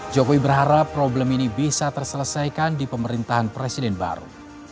jokowi berharap problem ini bisa terselesaikan di pemerintahan presiden baru